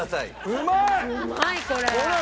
うまいこれ。